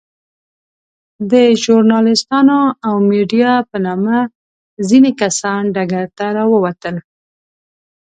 د ژورناليستانو او ميډيا په نامه ځينې کسان ډګر ته راووتل.